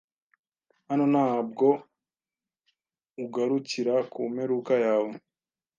Hano ntabwo ugarukira kumperuka yawe